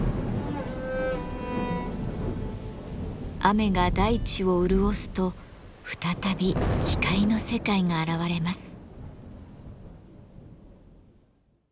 雨が大地を潤すと再び光の世界が現れます。